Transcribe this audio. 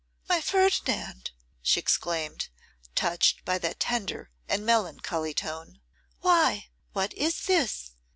'My Ferdinand,' she exclaimed, touched by that tender and melancholy tone, 'why, what is this?